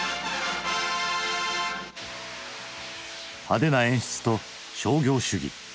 派手な演出と商業主義。